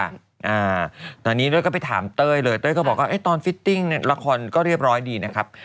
อ่าตอนนี้เต้ยก็ไปถามเต้ยเลยเต้ยก็บอกว่าเอ๊ะตอนฟิตติ้งเนี่ยละครก็เรียบร้อยดีนะครับ